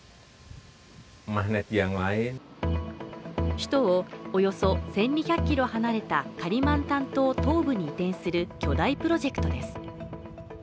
首都を、およそ１２００キロ離れたカリマンタン島東部に移転する巨大プロジェクトです。